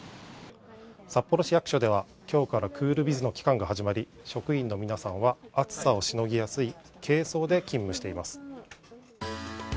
札幌市役所では、きょうからクールビズの期間が始まり、職員の皆さんは暑さをしのぎやすい軽装で勤務しています。